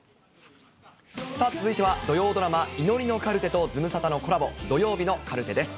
続いては土曜ドラマ、祈りのカルテとズムサタのコラボ、土曜日のカルテです。